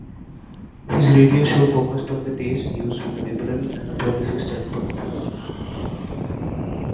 His radio show focused on the day's news with a liberal and progressive standpoint.